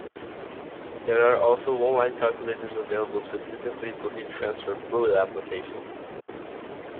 There are also online calculators available specifically for heat transfer fluid applications.